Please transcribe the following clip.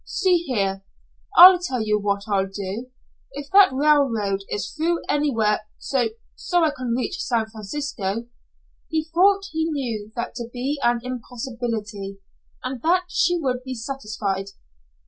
"See here. I'll tell you what I'll do. If that railroad is through anywhere so so I can reach San Francisco " He thought he knew that to be an impossibility, and that she would be satisfied.